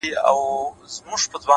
اې لکه ته; يو داسې بله هم سته;